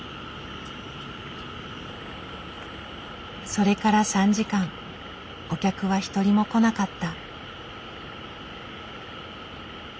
それから３時間お客は一人も来なかった。